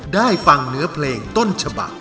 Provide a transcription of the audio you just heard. ได้ฟังเนื้อเพลงต้นฉบัก